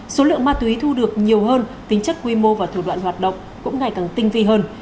số lượng ma túy thu được nhiều hơn tính chất quy mô và thủ đoạn hoạt động cũng ngày càng tinh vi hơn